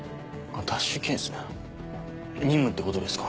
任務ってことですか？